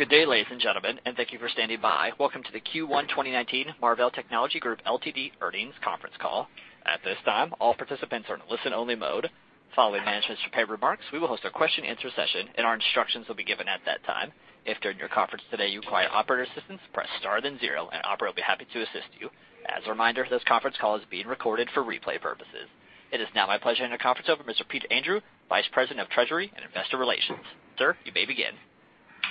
Good day, ladies and gentlemen. Thank you for standing by. Welcome to the Q1 2019 Marvell Technology Group Ltd. earnings conference call. At this time, all participants are in listen only mode. Following management's prepared remarks, we will host a question answer session and our instructions will be given at that time. If during your conference today you require operator assistance, press star then zero and operator will be happy to assist you. As a reminder, this conference call is being recorded for replay purposes. It is now my pleasure to hand the conference over to Mr. Peter Andrew, Vice President of Treasury and Investor Relations. Sir, you may begin.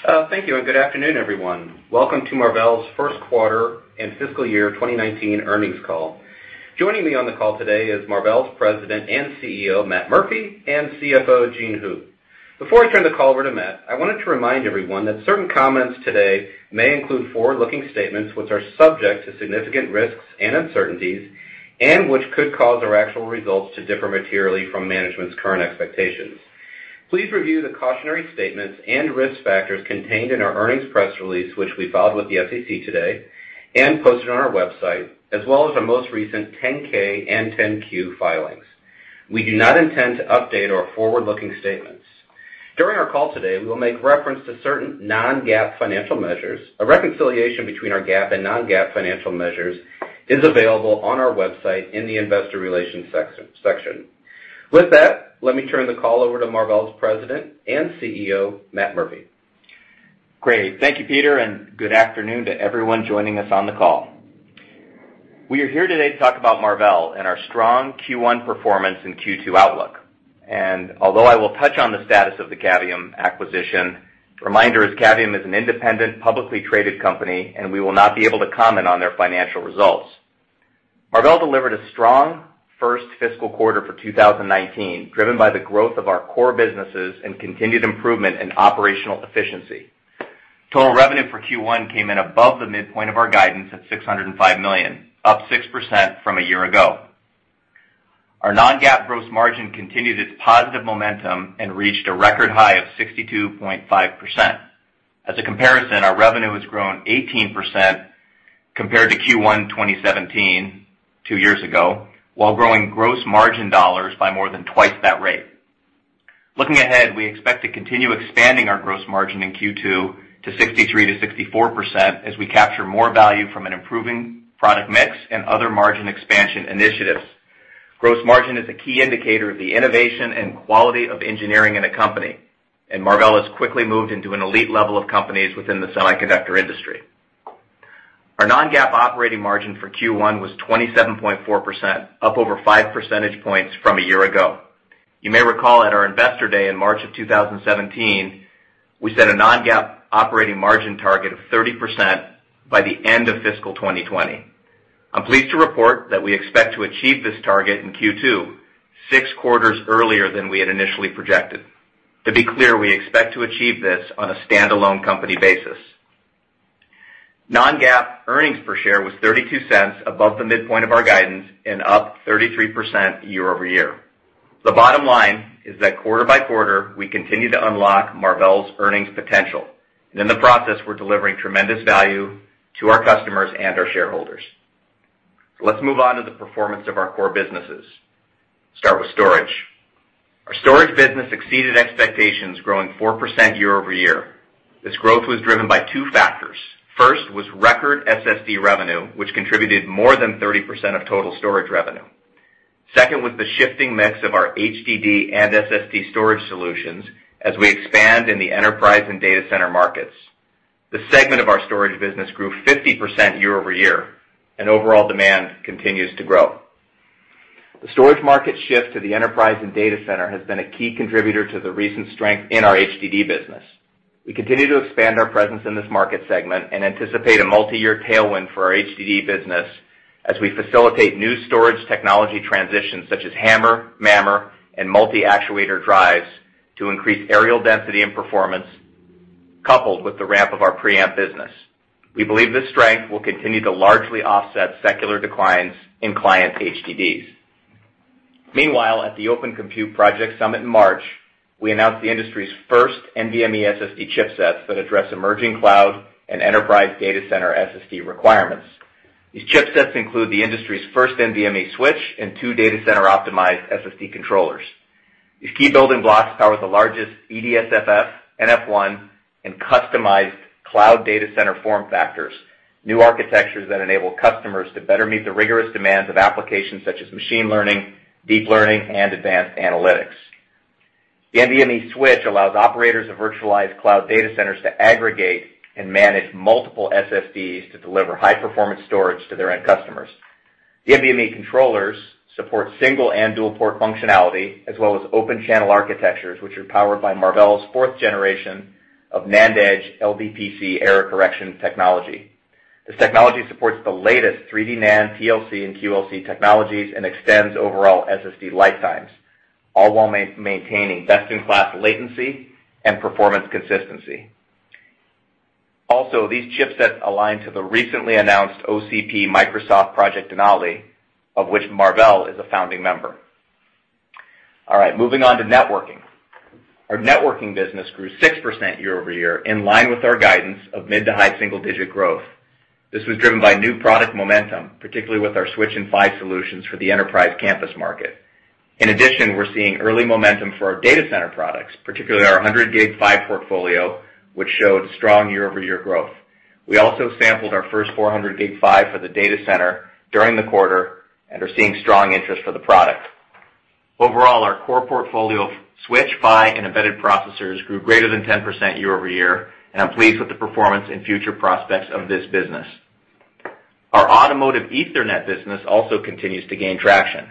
Thank you. Good afternoon, everyone. Welcome to Marvell's first quarter and fiscal year 2019 earnings call. Joining me on the call today is Marvell's President and CEO, Matt Murphy, and CFO, Jean Hu. Before I turn the call over to Matt, I wanted to remind everyone that certain comments today may include forward-looking statements, which are subject to significant risks and uncertainties and which could cause our actual results to differ materially from management's current expectations. Please review the cautionary statements and risk factors contained in our earnings press release, which we filed with the SEC today and posted on our website, as well as our most recent 10K and 10Q filings. We do not intend to update our forward-looking statements. During our call today, we will make reference to certain non-GAAP financial measures. A reconciliation between our GAAP and non-GAAP financial measures is available on our website in the investor relations section. With that, let me turn the call over to Marvell's President and CEO, Matt Murphy. Great. Thank you, Peter. Good afternoon to everyone joining us on the call. We are here today to talk about Marvell and our strong Q1 performance in Q2 outlook. Although I will touch on the status of the Cavium acquisition, reminder is Cavium is an independent, publicly traded company, and we will not be able to comment on their financial results. Marvell delivered a strong first fiscal quarter for 2019, driven by the growth of our core businesses and continued improvement in operational efficiency. Total revenue for Q1 came in above the midpoint of our guidance at $605 million, up 6% from a year ago. Our non-GAAP gross margin continued its positive momentum and reached a record high of 62.5%. As a comparison, our revenue has grown 18% compared to Q1 2017, two years ago, while growing gross margin dollars by more than twice that rate. Looking ahead, we expect to continue expanding our gross margin in Q2 to 63%-64% as we capture more value from an improving product mix and other margin expansion initiatives. Gross margin is a key indicator of the innovation and quality of engineering in a company, and Marvell has quickly moved into an elite level of companies within the semiconductor industry. Our non-GAAP operating margin for Q1 was 27.4%, up over five percentage points from a year ago. You may recall at our investor day in March of 2017, we set a non-GAAP operating margin target of 30% by the end of fiscal 2020. I'm pleased to report that we expect to achieve this target in Q2, six quarters earlier than we had initially projected. To be clear, we expect to achieve this on a standalone company basis. Non-GAAP earnings per share was $0.32 above the midpoint of our guidance and up 33% year-over-year. The bottom line is that quarter by quarter, we continue to unlock Marvell's earnings potential, and in the process, we're delivering tremendous value to our customers and our shareholders. Let's move on to the performance of our core businesses. Start with storage. Our storage business exceeded expectations, growing 4% year-over-year. This growth was driven by two factors. First was record SSD revenue, which contributed more than 30% of total storage revenue. Second was the shifting mix of our HDD and SSD storage solutions as we expand in the enterprise and data center markets. This segment of our storage business grew 50% year-over-year, and overall demand continues to grow. The storage market shift to the enterprise and data center has been a key contributor to the recent strength in our HDD business. We continue to expand our presence in this market segment and anticipate a multi-year tailwind for our HDD business as we facilitate new storage technology transitions such as HAMR, MAMR, and multi-actuator drives to increase areal density and performance, coupled with the ramp of our preamp business. We believe this strength will continue to largely offset secular declines in client HDDs. Meanwhile, at the Open Compute Project Summit in March, we announced the industry's first NVMe SSD chipsets that address emerging cloud and enterprise data center SSD requirements. These chipsets include the industry's first NVMe switch and two data center optimized SSD controllers. These key building blocks power the largest EDSFF, NF1, and customized cloud data center form factors, new architectures that enable customers to better meet the rigorous demands of applications such as machine learning, deep learning, and advanced analytics. The NVMe switch allows operators of virtualized cloud data centers to aggregate and manage multiple SSDs to deliver high-performance storage to their end customers. The NVMe controllers support single and dual port functionality, as well as open channel architectures, which are powered by Marvell's fourth generation of NANDEdge LDPC error correction technology. This technology supports the latest 3D NAND TLC and QLC technologies and extends overall SSD lifetimes, all while maintaining best-in-class latency and performance consistency. Also, these chipsets align to the recently announced OCP Microsoft Project Denali, of which Marvell is a founding member. All right, moving on to networking. Our networking business grew 6% year-over-year, in line with our guidance of mid to high single-digit growth. This was driven by new product momentum, particularly with our switch and PHY solutions for the enterprise campus market. In addition, we're seeing early momentum for our data center products, particularly our 100 Gig PHY portfolio, which showed strong year-over-year growth. We also sampled our first 400 Gig PHY for the data center during the quarter and are seeing strong interest for the product. Overall, our core portfolio of switch, PHY, and embedded processors grew greater than 10% year-over-year, and I'm pleased with the performance and future prospects of this business. Our automotive Ethernet business also continues to gain traction.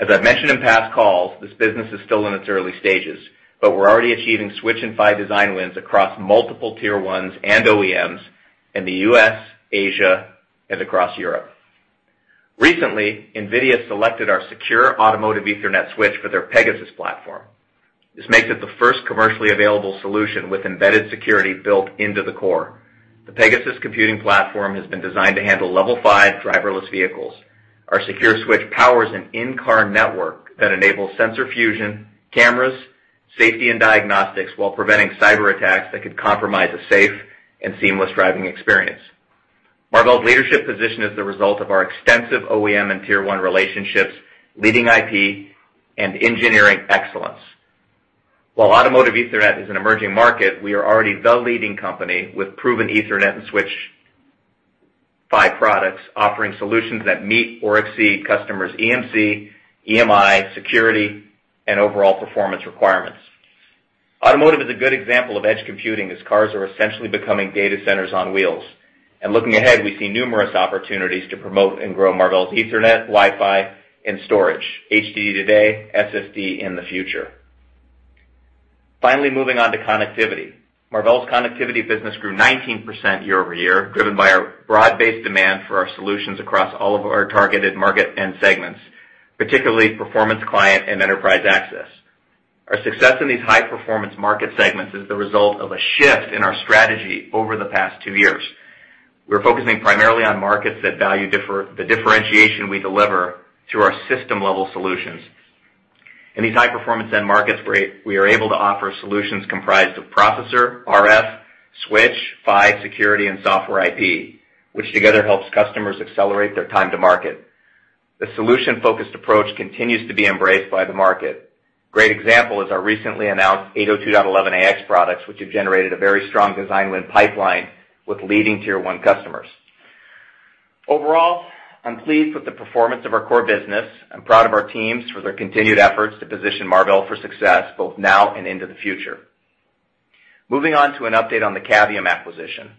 As I've mentioned in past calls, this business is still in its early stages, but we're already achieving switch and PHY design wins across multiple tier 1s and OEMs in the U.S., Asia, and across Europe. Recently, NVIDIA selected our secure automotive Ethernet switch for their Pegasus platform. This makes it the first commercially available solution with embedded security built into the core. The Pegasus computing platform has been designed to handle level 5 driverless vehicles. Our secure switch powers an in-car network that enables sensor fusion, cameras, safety and diagnostics while preventing cyber attacks that could compromise a safe and seamless driving experience. Marvell's leadership position is the result of our extensive OEM and tier 1 relationships, leading IP, and engineering excellence. While automotive Ethernet is an emerging market, we are already the leading company with proven Ethernet and switch PHY products offering solutions that meet or exceed customers' EMC, EMI, security, and overall performance requirements. Automotive is a good example of edge computing, as cars are essentially becoming data centers on wheels. Looking ahead, we see numerous opportunities to promote and grow Marvell's Ethernet, Wi-Fi, and storage, HDD today, SSD in the future. Moving on to connectivity. Marvell's connectivity business grew 19% year-over-year, driven by our broad-based demand for our solutions across all of our targeted market end segments, particularly performance client and enterprise access. Our success in these high-performance market segments is the result of a shift in our strategy over the past two years. We're focusing primarily on markets that value the differentiation we deliver through our system-level solutions. In these high-performance end markets, we are able to offer solutions comprised of processor, RF, switch, PHY, security, and software IP, which together helps customers accelerate their time to market. The solution-focused approach continues to be embraced by the market. Great example is our recently announced 802.11ax products, which have generated a very strong design win pipeline with leading tier 1 customers. Overall, I'm pleased with the performance of our core business. I'm proud of our teams for their continued efforts to position Marvell for success both now and into the future. Moving on to an update on the Cavium acquisition.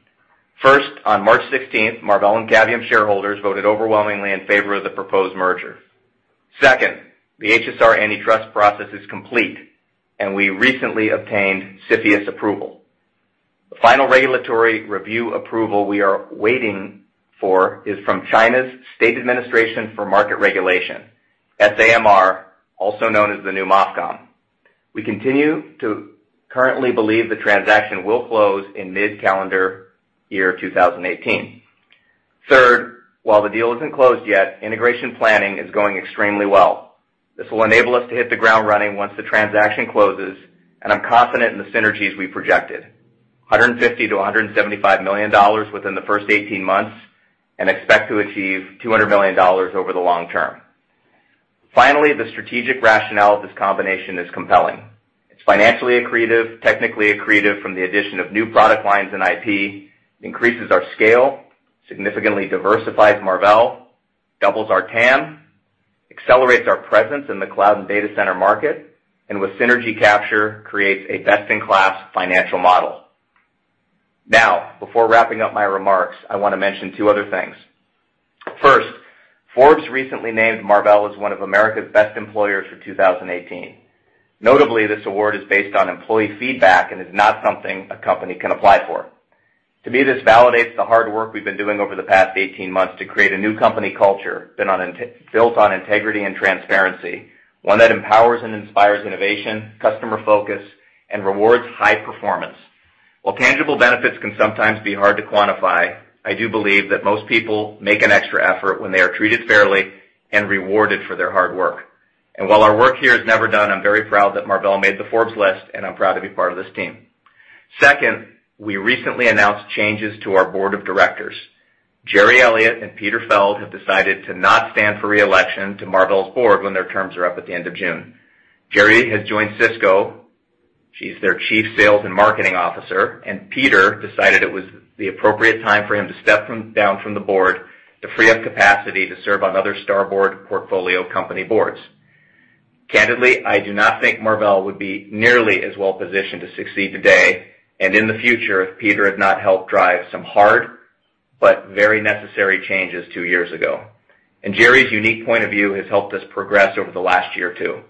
First, on March 16th, Marvell and Cavium shareholders voted overwhelmingly in favor of the proposed merger. Second, the HSR antitrust process is complete, and we recently obtained CFIUS approval. The final regulatory review approval we are waiting for is from China's State Administration for Market Regulation, SAMR, also known as the new MOFCOM. We continue to currently believe the transaction will close in mid-calendar year 2018. While the deal isn't closed yet, integration planning is going extremely well. This will enable us to hit the ground running once the transaction closes, I'm confident in the synergies we projected, $150 million-$175 million within the first 18 months, and expect to achieve $200 million over the long term. The strategic rationale of this combination is compelling. It's financially accretive, technically accretive from the addition of new product lines and IP, increases our scale, significantly diversifies Marvell, doubles our TAM, accelerates our presence in the cloud and data center market, with synergy capture, creates a best-in-class financial model. Before wrapping up my remarks, I want to mention two other things. Forbes recently named Marvell as one of America's Best Employers for 2018. Notably, this award is based on employee feedback and is not something a company can apply for. To me, this validates the hard work we've been doing over the past 18 months to create a new company culture built on integrity and transparency, one that empowers and inspires innovation, customer focus, and rewards high performance. While tangible benefits can sometimes be hard to quantify, I do believe that most people make an extra effort when they are treated fairly and rewarded for their hard work. While our work here is never done, I'm very proud that Marvell made the Forbes list, and I'm proud to be part of this team. We recently announced changes to our board of directors. Gerri Elliott and Peter Feld have decided to not stand for re-election to Marvell's board when their terms are up at the end of June. Gerri has joined Cisco. She's their chief sales and marketing officer, Peter decided it was the appropriate time for him to step down from the board to free up capacity to serve on other Starboard portfolio company boards. Candidly, I do not think Marvell would be nearly as well positioned to succeed today and in the future if Peter had not helped drive some hard but very necessary changes two years ago. Gerri's unique point of view has helped us progress over the last year, too.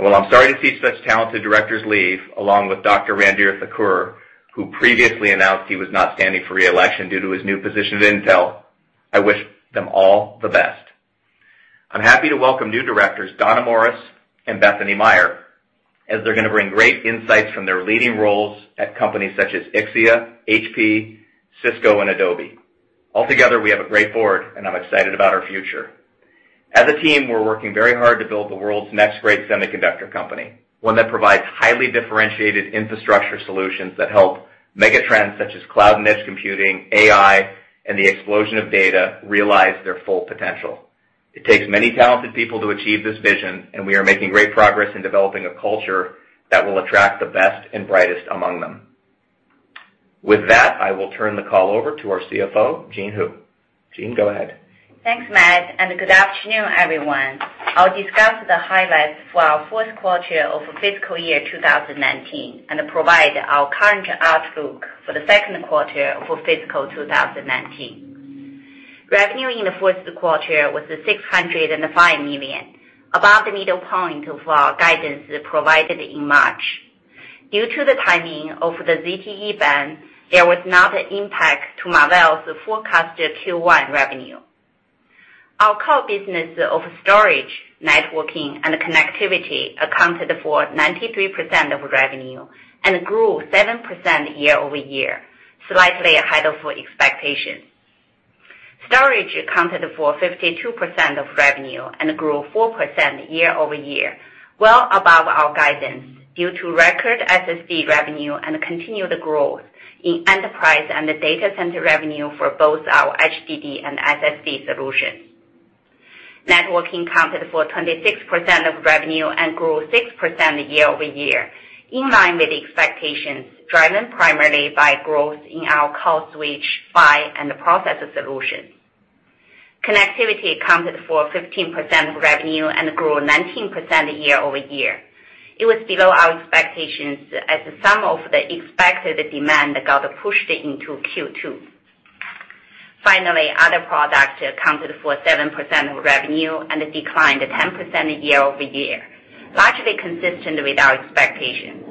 While I'm sorry to see such talented directors leave, along with Dr. Randhir Thakur, who previously announced he was not standing for re-election due to his new position at Intel, I wish them all the best. I'm happy to welcome new directors Donna Morris and Bethany Mayer, as they're going to bring great insights from their leading roles at companies such as Ixia, HP, Cisco, and Adobe. We have a great board, I'm excited about our future. We're working very hard to build the world's next great semiconductor company, one that provides highly differentiated infrastructure solutions that help megatrends such as cloud and edge computing, AI, the explosion of data realize their full potential. It takes many talented people to achieve this vision, we are making great progress in developing a culture that will attract the best and brightest among them. I will turn the call over to our CFO, Jean Hu. Jean, go ahead. Thanks, Matt, Good afternoon, everyone. I'll discuss the highlights for our first quarter of fiscal year 2019 and provide our current outlook for the second quarter for fiscal 2019. Revenue in the first quarter was $605 million, above the middle point of our guidance provided in March. Due to the timing of the ZTE ban, there was not an impact to Marvell's forecasted Q1 revenue. Our core business of storage, networking, and connectivity accounted for 93% of revenue and grew 7% year-over-year, slightly ahead of expectation. Storage accounted for 52% of revenue and grew 4% year-over-year, well above our guidance due to record SSD revenue and continued growth in enterprise and the data center revenue for both our HDD and SSD solutions. Networking accounted for 26% of revenue and grew 6% year-over-year, in line with expectations, driven primarily by growth in our core switch PHY and the processor solutions. Connectivity accounted for 15% of revenue and grew 19% year-over-year. It was below our expectations as some of the expected demand got pushed into Q2. Other products accounted for 7% of revenue and declined 10% year-over-year, largely consistent with our expectations.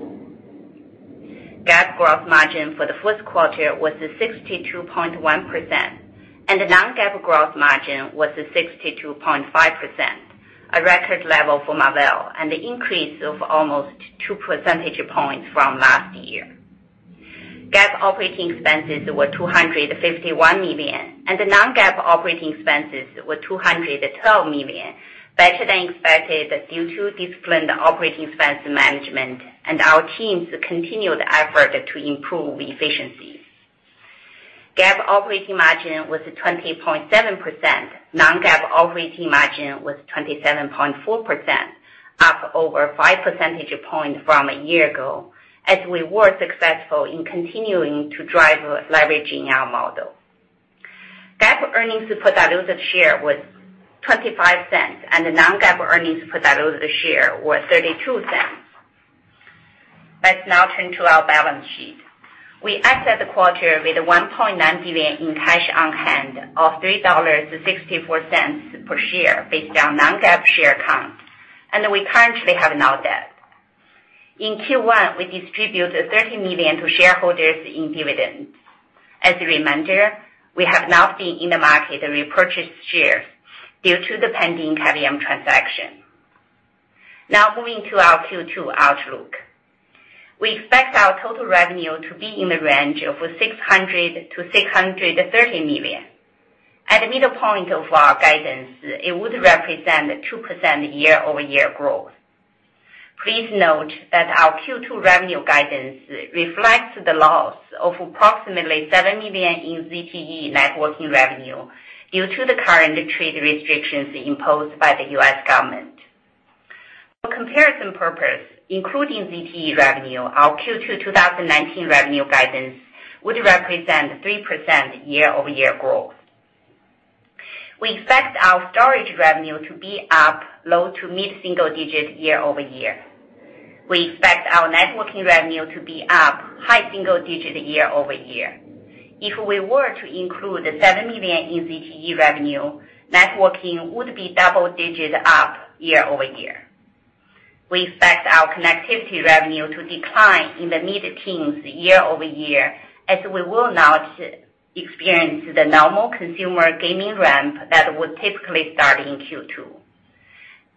GAAP gross margin for the first quarter was 62.1%, and the non-GAAP gross margin was 62.5%, a record level for Marvell, and an increase of almost two percentage points from last year. GAAP operating expenses were $251 million, and the non-GAAP operating expenses were $212 million, better than expected due to disciplined operating expense management and our team's continued effort to improve efficiency. GAAP operating margin was 20.7%. Non-GAAP operating margin was 27.4%, up over five percentage points from a year ago as we were successful in continuing to drive leveraging our model. GAAP earnings per diluted share was $0.25, and the non-GAAP earnings per diluted share was $0.32. Let's now turn to our balance sheet. We ended the quarter with $1.9 billion in cash on hand, or $3.64 per share based on non-GAAP share count, and we currently have no debt. In Q1, we distributed $30 million to shareholders in dividends. As a reminder, we have not been in the market to repurchase shares due to the pending Cavium transaction. Moving to our Q2 outlook. We expect our total revenue to be in the range of $600 million-$630 million. At the midpoint of our guidance, it would represent 2% year-over-year growth. Please note that our Q2 revenue guidance reflects the loss of approximately $7 million in ZTE networking revenue due to the current trade restrictions imposed by the U.S. government. For comparison purpose, including ZTE revenue, our Q2 2019 revenue guidance would represent 3% year-over-year growth. We expect our storage revenue to be up low to mid-single digits year-over-year. We expect our networking revenue to be up high-single digits year-over-year. If we were to include the $7 million in ZTE revenue, networking would be double-digits up year-over-year. We expect our connectivity revenue to decline in the mid-teens year-over-year, as we will not experience the normal consumer gaming ramp that would typically start in Q2.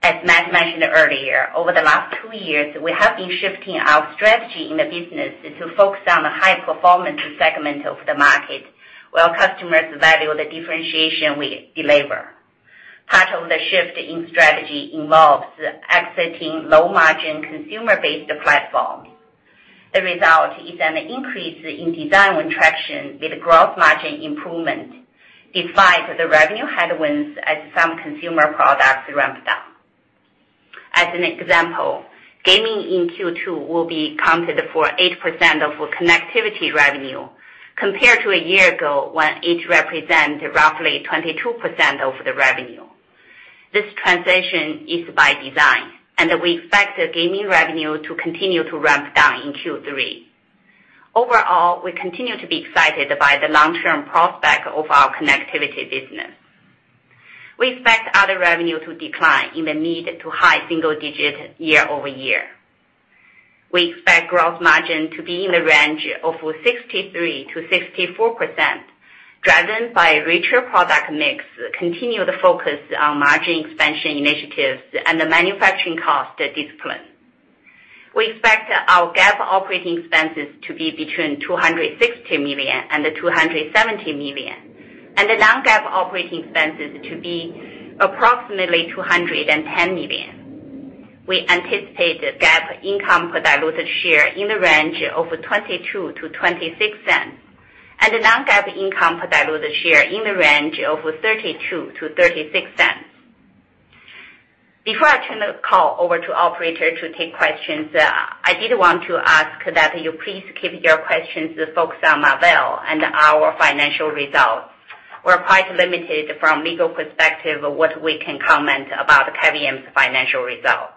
As Matt mentioned earlier, over the last two years, we have been shifting our strategy in the business to focus on the high-performance segment of the market where customers value the differentiation we deliver. Part of the shift in strategy involves exiting low-margin consumer-based platforms. The result is an increase in design traction with growth margin improvement, despite the revenue headwinds as some consumer products ramp down. As an example, gaming in Q2 will be accounted for 8% of our connectivity revenue compared to a year ago when it represented roughly 22% of the revenue. This transition is by design, and we expect the gaming revenue to continue to ramp down in Q3. Overall, we continue to be excited by the long-term prospect of our connectivity business. We expect other revenue to decline in the mid- to high single digits year-over-year. We expect growth margin to be in the range of 63%-64%, driven by richer product mix, continued focus on margin expansion initiatives, and the manufacturing cost discipline. We expect our GAAP operating expenses to be between $260 million and $270 million, and the non-GAAP operating expenses to be approximately $210 million. We anticipate GAAP income per diluted share in the range of $0.22-$0.26, and the non-GAAP income per diluted share in the range of $0.32-$0.36. Before I turn the call over to operator to take questions, I did want to ask that you please keep your questions focused on Marvell and our financial results. We're quite limited from legal perspective of what we can comment about Cavium's financial result.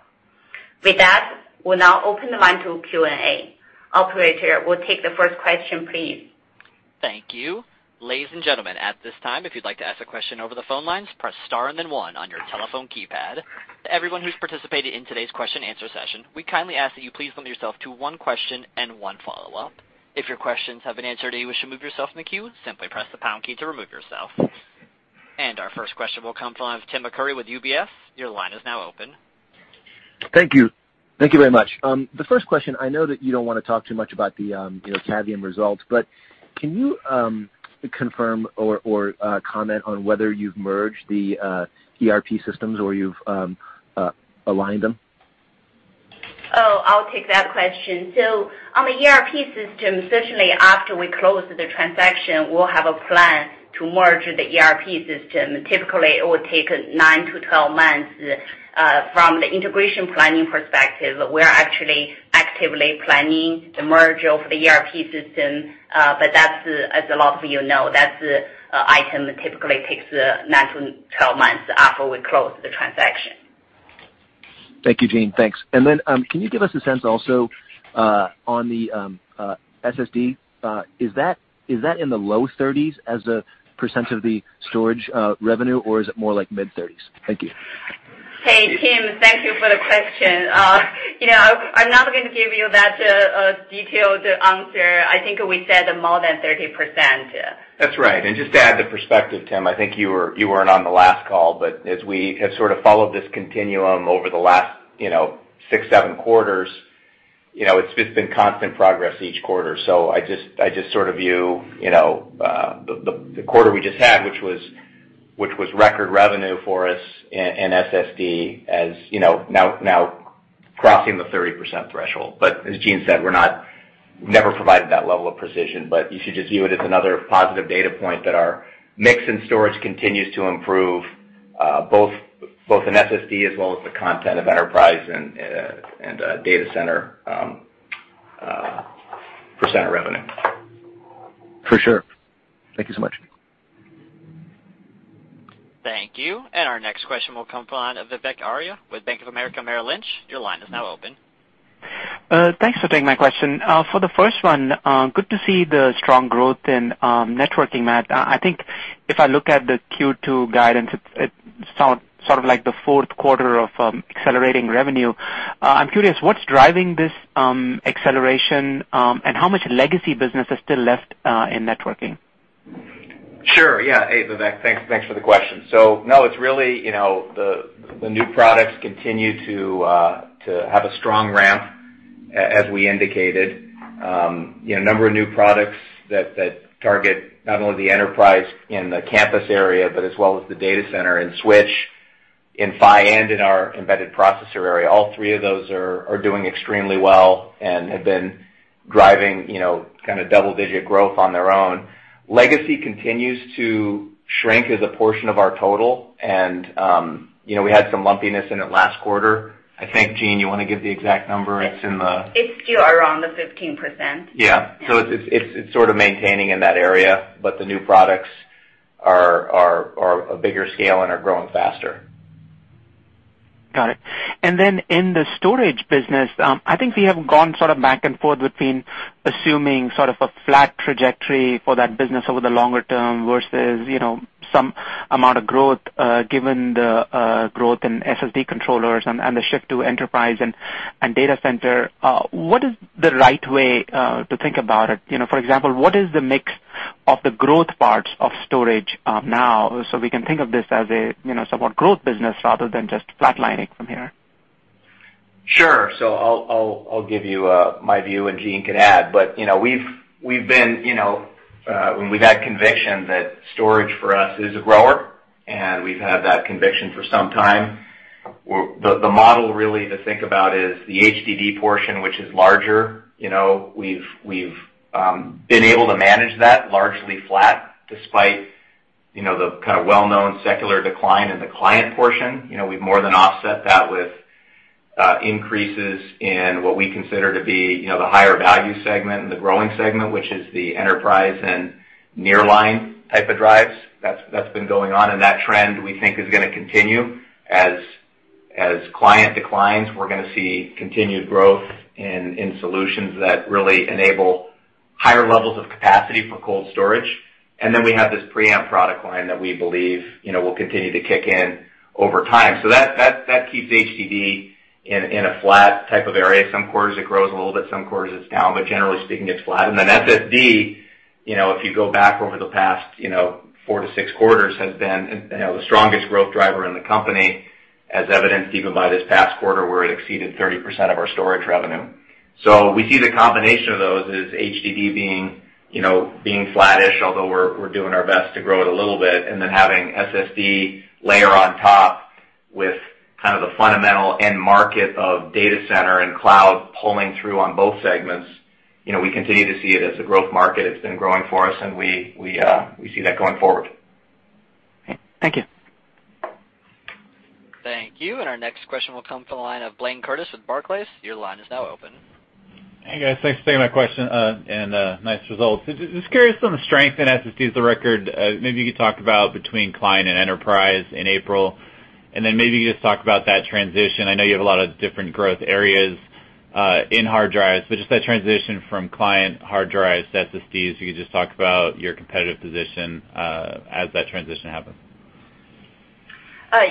With that, we'll now open the line to Q&A. Operator, we'll take the first question, please. Thank you. Ladies and gentlemen, at this time, if you'd like to ask a question over the phone lines, press star and then one on your telephone keypad. Everyone who's participated in today's question and answer session, we kindly ask that you please limit yourself to one question and one follow-up. If your questions have been answered and you wish to move yourself in the queue, simply press the pound key to remove yourself. Our first question will come from Timothy Arcuri with UBS. Your line is now open. Thank you. Thank you very much. The first question, I know that you don't want to talk too much about the Cavium results, but can you confirm or comment on whether you've merged the ERP systems, or you've aligned them? I'll take that question. On the ERP system, certainly after we close the transaction, we'll have a plan to merge the ERP system. Typically, it will take 9 to 12 months. From the integration planning perspective, we are actually actively planning the merge of the ERP system. As a lot of you know, that's an item that typically takes 9 to 12 months after we close the transaction. Thank you, Jean. Thanks. Can you give us a sense also on the SSD? Is that in the low 30s as a % of the storage revenue, or is it more like mid-30s? Thank you. Hey, Tim. Thank you for the question. I'm not going to give you that detailed answer. I think we said more than 30%. That's right. Just to add the perspective, Tim, I think you weren't on the last call, but as we have sort of followed this continuum over the last six, seven quarters, it's just been constant progress each quarter. I just sort of view the quarter we just had, which was record revenue for us in SSD, as now crossing the 30% threshold. As Jean said, we've never provided that level of precision, but you should just view it as another positive data point that our mix and storage continues to improve, both in SSD as well as the content of enterprise and data center % of revenue. For sure. Thank you so much. Thank you. Our next question will come from Vivek Arya with Bank of America Merrill Lynch. Your line is now open. Thanks for taking my question. For the first one, good to see the strong growth in networking, Matt. I think if I look at the Q2 guidance, it sort of like the fourth quarter of accelerating revenue. I'm curious, what's driving this acceleration, and how much legacy business is still left in networking? Sure. Yeah. Hey, Vivek. Thanks for the question. No, it's really the new products continue to have a strong ramp, as we indicated. A number of new products that target not only the enterprise in the campus area, but as well as the data center and switch in PHY and in our embedded processor area. All three of those are doing extremely well and have been driving kind of double-digit growth on their own. Legacy continues to shrink as a portion of our total, and we had some lumpiness in it last quarter. I think, Jean, you want to give the exact number? It's in the- It's still around the 15%. Yeah. It's sort of maintaining in that area, but the new products are a bigger scale and are growing faster. Got it. In the storage business, I think we have gone sort of back and forth between assuming sort of a flat trajectory for that business over the longer term versus some amount of growth, given the growth in SSD controllers and the shift to enterprise and data center. What is the right way to think about it? For example, what is the mix of the growth parts of storage now, so we can think of this as a sort of growth business rather than just flatlining from here? Sure. I'll give you my view, and Jean can add. We've had conviction that storage for us is a grower, and we've had that conviction for some time. The model really to think about is the HDD portion, which is larger. We've been able to manage that largely flat, despite the kind of well-known secular decline in the client portion. We've more than offset that with increases in what we consider to be the higher value segment and the growing segment, which is the enterprise and nearline type of drives. That's been going on, and that trend, we think, is going to continue. As client declines, we're going to see continued growth in solutions that really enable higher levels of capacity for cold storage, and then we have this preamp product line that we believe will continue to kick in over time. That keeps HDD in a flat type of area. Some quarters it grows a little bit, some quarters it is down, but generally speaking, it is flat. SSD, if you go back over the past four to six quarters, has been the strongest growth driver in the company, as evidenced even by this past quarter where it exceeded 30% of our storage revenue. We see the combination of those as HDD being flattish, although we are doing our best to grow it a little bit, and then having SSD layer on top with kind of the fundamental end market of data center and cloud pulling through on both segments. We continue to see it as a growth market. It has been growing for us, and we see that going forward. Okay. Thank you. Thank you. Our next question will come from the line of Blayne Curtis with Barclays. Your line is now open. Hey, guys. Thanks for taking my question, nice results. Just curious on the strength in SSDs, the record, maybe you could talk about between client and enterprise in April, maybe just talk about that transition. I know you have a lot of different growth areas in hard drives, just that transition from client hard drive SSDs, if you could just talk about your competitive position as that transition happens.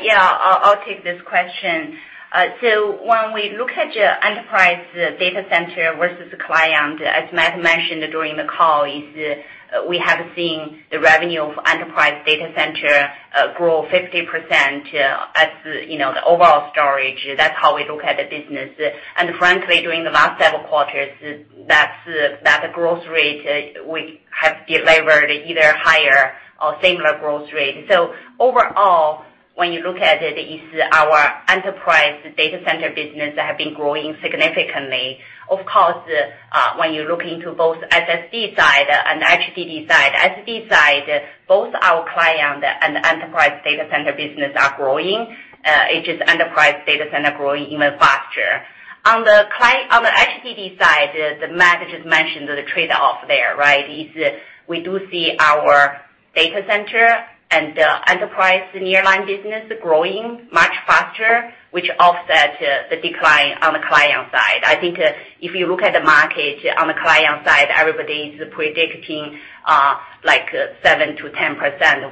Yeah, I'll take this question. When we look at the enterprise data center versus the client, as Matt mentioned during the call, we have seen the revenue of enterprise data center grow 50% as the overall storage. That's how we look at the business. Frankly, during the last several quarters, that growth rate we have delivered either higher or similar growth rate. Overall, when you look at it, is our enterprise data center business have been growing significantly. Of course, when you look into both SSD side and HDD side, SSD side, both our client and enterprise data center business are growing. It is enterprise data center growing even faster. On the HDD side, as Matt just mentioned, the trade-off there, right, is we do see our data center and enterprise nearline business growing much faster, which offset the decline on the client side. I think if you look at the market on the client side, everybody is predicting like 7%-10%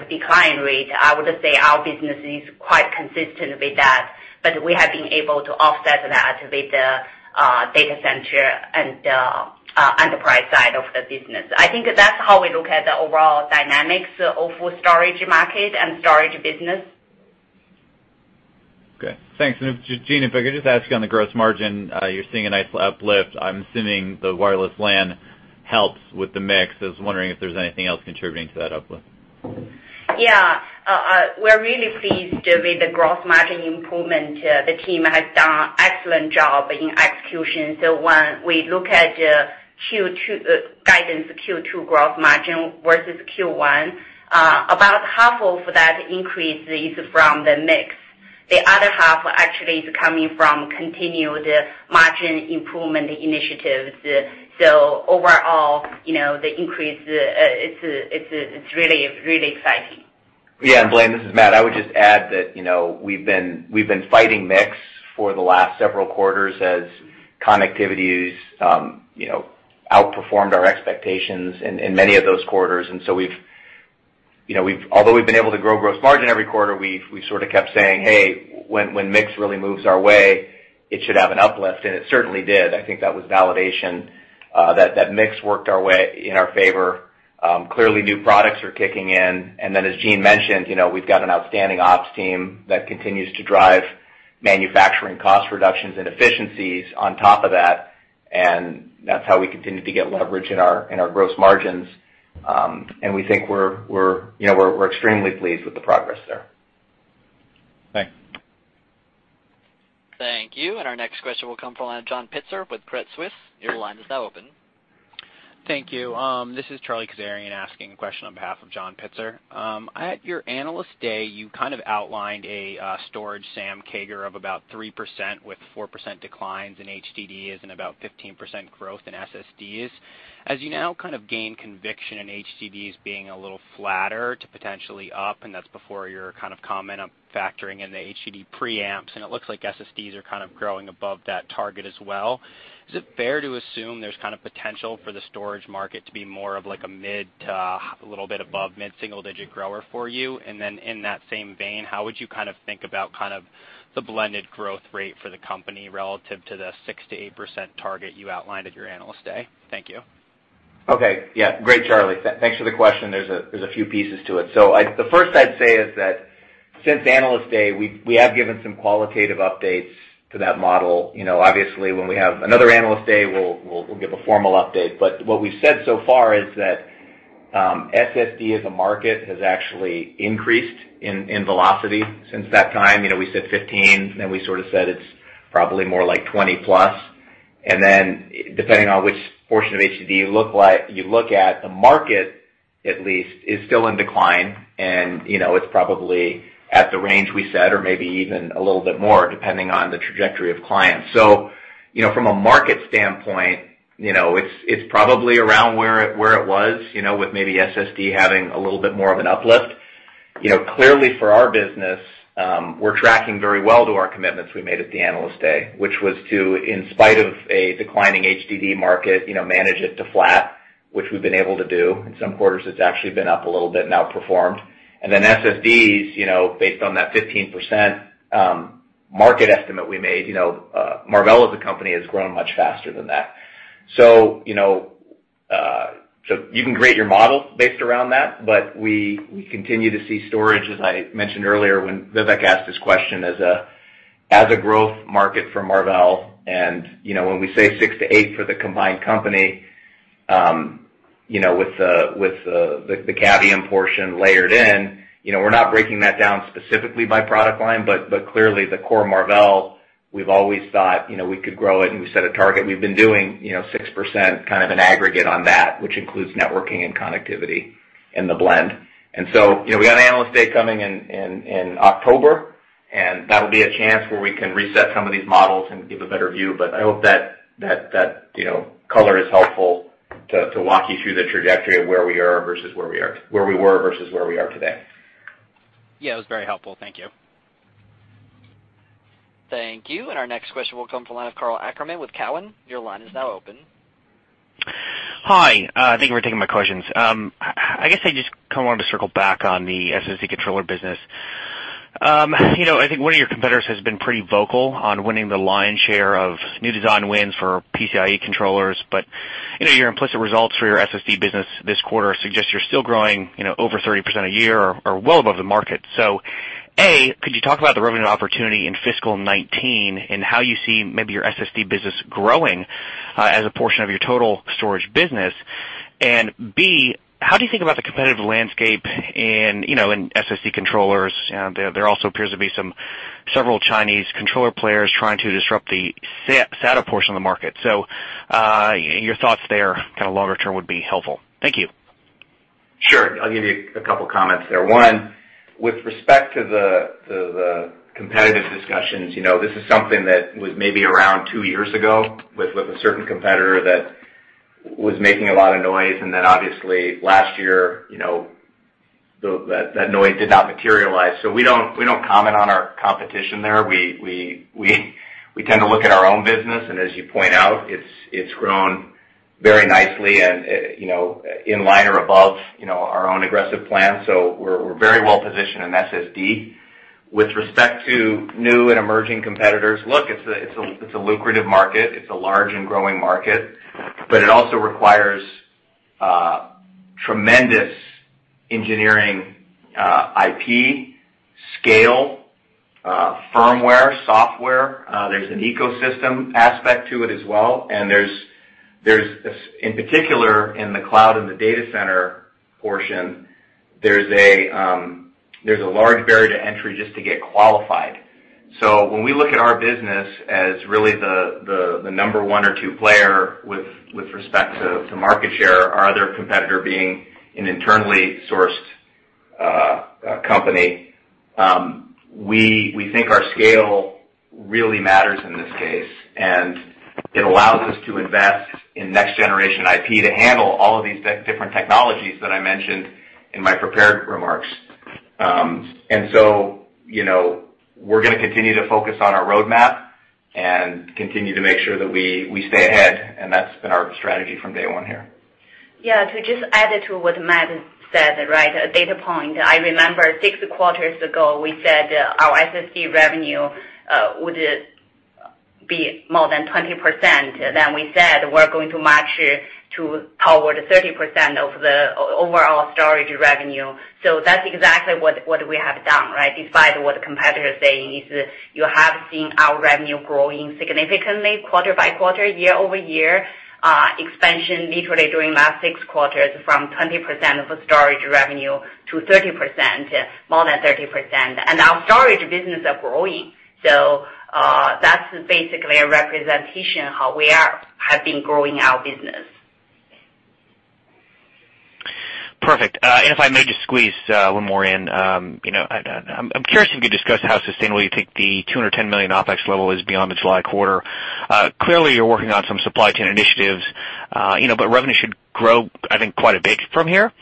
of decline rate. I would say our business is quite consistent with that, but we have been able to offset that with the data center and the enterprise side of the business. I think that's how we look at the overall dynamics of storage market and storage business. Okay, thanks. Jean, if I could just ask you on the gross margin, you're seeing a nice uplift. I'm assuming the wireless LAN helps with the mix. I was wondering if there's anything else contributing to that uplift. Yeah. We're really pleased with the gross margin improvement. The team has done excellent job in execution. When we look at the guidance Q2 growth margin versus Q1, about half of that increase is from the mix. The other half actually is coming from continued margin improvement initiatives. Overall, the increase, it's really exciting. Yeah, Blayne, this is Matt. I would just add that we've been fighting mix for the last several quarters as connectivity has outperformed our expectations in many of those quarters. Although we've been able to grow gross margin every quarter, we've kept saying, "Hey, when mix really moves our way, it should have an uplift," and it certainly did. I think that was validation that that mix worked our way in our favor. Clearly, new products are kicking in, as Jean mentioned, we've got an outstanding ops team that continues to drive manufacturing cost reductions and efficiencies on top of that, and that's how we continue to get leverage in our gross margins. We think we're extremely pleased with the progress there. Thanks. Thank you. Our next question will come from the line of John Pitzer with Credit Suisse. Your line is now open. Thank you. This is Charlie Kazarian asking a question on behalf of John Pitzer. At your Analyst Day, you outlined a storage SAM CAGR of about 3% with 4% declines in HDDs and about 15% growth in SSDs. As you now gain conviction in HDDs being a little flatter to potentially up, and that's before your comment on factoring in the HDD preamps, and it looks like SSDs are growing above that target as well. Is it fair to assume there's potential for the storage market to be more of like a mid to a little bit above mid-single digit grower for you? In that same vein, how would you think about the blended growth rate for the company relative to the 6%-8% target you outlined at your Analyst Day? Thank you. Okay. Yeah. Great, Charlie. Thanks for the question. There's a few pieces to it. The first I'd say is that since Analyst Day, we have given some qualitative updates to that model. Obviously, when we have another Analyst Day, we'll give a formal update. What we've said so far is that SSD as a market has actually increased in velocity since that time. We said 15%, then we said it's probably more like 20% plus. Depending on which portion of HDD you look at, the market at least is still in decline, and it's probably at the range we set or maybe even a little bit more, depending on the trajectory of clients. From a market standpoint, it's probably around where it was, with maybe SSD having a little bit more of an uplift. Clearly for our business, we're tracking very well to our commitments we made at the Analyst Day, which was to, in spite of a declining HDD market, manage it to flat, which we've been able to do. In some quarters, it's actually been up a little bit and outperformed. SSDs, based on that 15% Market estimate we made, Marvell as a company has grown much faster than that. You can create your model based around that, but we continue to see storage, as I mentioned earlier when Vivek asked this question, as a growth market for Marvell. When we say 6-8 for the combined company, with the Cavium portion layered in, we're not breaking that down specifically by product line, but clearly the core Marvell, we've always thought, we could grow it and we set a target. We've been doing 6%, kind of an aggregate on that, which includes networking and connectivity in the blend. We got an Analyst Day coming in October, and that'll be a chance where we can reset some of these models and give a better view. I hope that color is helpful to walk you through the trajectory of where we were versus where we are today. Yeah, it was very helpful. Thank you. Thank you. Our next question will come from the line of Karl Ackerman with Cowen. Your line is now open. Hi, thank you for taking my questions. I guess I just kind of wanted to circle back on the SSD controller business. I think one of your competitors has been pretty vocal on winning the lion's share of new design wins for PCIe controllers, but your implicit results for your SSD business this quarter suggest you're still growing over 30% a year or well above the market. A, could you talk about the revenue opportunity in fiscal 2019 and how you see maybe your SSD business growing, as a portion of your total storage business? B, how do you think about the competitive landscape in SSD controllers? There also appears to be several Chinese controller players trying to disrupt the SATA portion of the market. Your thoughts there kind of longer term would be helpful. Thank you. Sure. I'll give you a couple comments there. One, with respect to the competitive discussions, this is something that was maybe around two years ago with a certain competitor that was making a lot of noise, then obviously last year, that noise did not materialize. We don't comment on our competition there. We tend to look at our own business, as you point out, it's grown very nicely and in line or above our own aggressive plan. We're very well-positioned in SSD. With respect to new and emerging competitors, look, it's a lucrative market. It's a large and growing market, but it also requires tremendous engineering IP, scale, firmware, software. There's an ecosystem aspect to it as well, in particular in the cloud and the data center portion, there's a large barrier to entry just to get qualified. When we look at our business as really the number one or two player with respect to market share, our other competitor being an internally sourced company, we think our scale really matters in this case, and it allows us to invest in next-generation IP to handle all of these different technologies that I mentioned in my prepared remarks. We're going to continue to focus on our roadmap and continue to make sure that we stay ahead, and that's been our strategy from day one here. Yeah, to just add it to what Matt said, right? A data point. I remember six quarters ago, we said our SSD revenue would be more than 20%. We said we're going to match to toward 30% of the overall storage revenue. That's exactly what we have done, right? Despite what competitors saying is, you have seen our revenue growing significantly quarter-by-quarter, year-over-year, expansion literally during last six quarters from 20% of the storage revenue to 30%, more than 30%. Our storage business are growing. That's basically a representation how we have been growing our business. Perfect. If I may just squeeze one more in. I'm curious if you could discuss how sustainable you think the $210 million OpEx level is beyond the July quarter. Clearly, you're working on some supply chain initiatives, revenue should grow, I think, quite a bit from here.